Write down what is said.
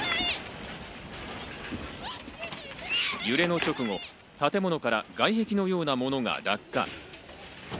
揺れの直後、建物から外壁のような物が落下。